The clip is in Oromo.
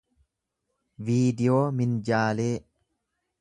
viidiyoo minjaalee